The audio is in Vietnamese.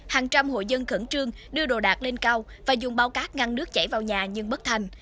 hàng trăm hội dân khẩn trương đưa đồ đạc lên cao và dùng bao cát ngăn nước chảy vào nhà nhưng bất thành